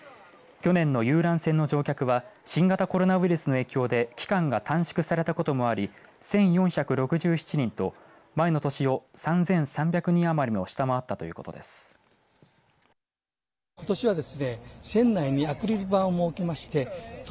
去年の遊覧船の乗客は新型コロナウイルスの影響で期間が短縮されたこともあり１４６７人と前の年を３３００人余りも下回ったということです。